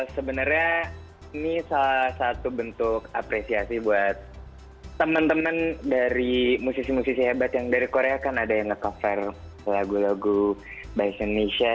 sebenarnya ini salah satu bentuk apresiasi buat temen temen dari musisi musisi hebat yang dari korea kan ada yang nge cover lagu lagu bahasa indonesia